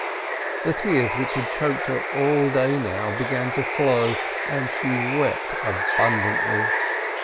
The tears which had choked her all day now began to flow, and she wept abundantly.